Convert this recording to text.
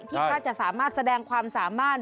ที่พระจะสามารถแสดงความสาม่าน